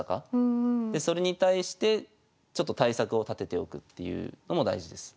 でそれに対してちょっと対策を立てておくっていうのも大事です。